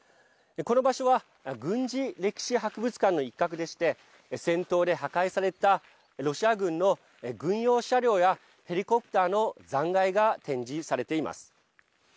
この場所は軍事歴史博物館の一角でして戦闘で破壊されたロシア軍の軍用車両やヘリコプターの残骸が展示されています。